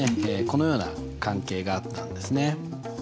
このような関係があったんですね。